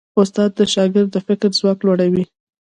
استاد د شاګرد د فکر ځواک لوړوي.